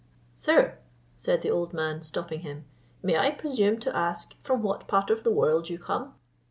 "Sir," said the old man, stopping him, "may I presume to ask from what part of the world you come?"